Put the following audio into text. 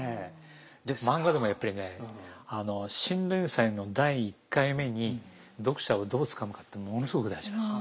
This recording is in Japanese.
漫画でもやっぱりね新連載の第１回目に読者をどうつかむかってものすごく大事なんです。